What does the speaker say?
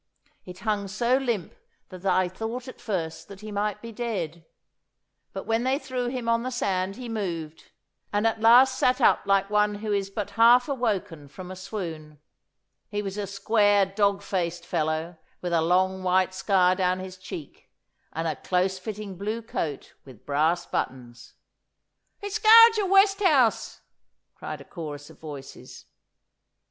It hung so limp that I thought at first that he might be dead, but when they threw him on the sand he moved, and at last sat up like one who is but half awoken from a swoon. He was a square dogged faced fellow, with a long white scar down his cheek, and a close fitting blue coat with brass buttons. 'It's Gauger Westhouse!' cried a chorus of voices.